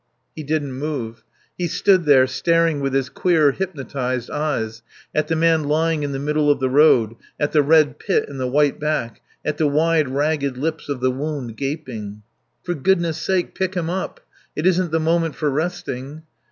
He didn't move. He stood there, staring with his queer, hypnotised eyes, at the man lying in the middle of the road, at the red pit in the white back, at the wide, ragged lips of the wound, gaping. "For goodness' sake pick him up. It isn't the moment for resting."